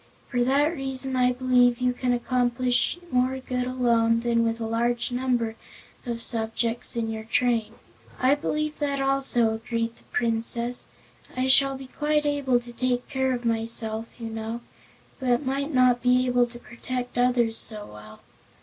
For that reason I believe you can accomplish more good alone than with a large number of subjects in your train." "I believe that also," agreed the Princess. "I shall be quite able to take care of myself, you know, but might not be able to protect others so well.